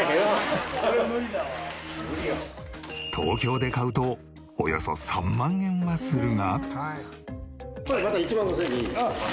東京で買うとおよそ３万円はするが。